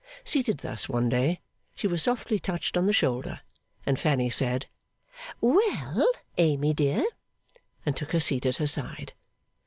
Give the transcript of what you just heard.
Seated thus one day, she was softly touched on the shoulder, and Fanny said, 'Well, Amy dear,' and took her seat at her side.